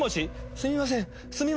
すみません。